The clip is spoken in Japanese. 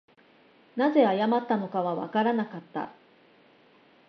何故謝ったのかはわからなかった